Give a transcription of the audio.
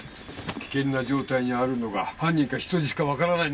危険な状態にあるのが犯人か人質かわからない中で。